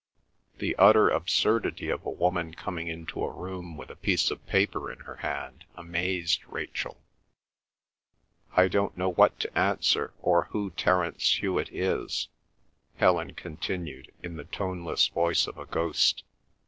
The utter absurdity of a woman coming into a room with a piece of paper in her hand amazed Rachel. "I don't know what to answer, or who Terence Hewet is," Helen continued, in the toneless voice of a ghost.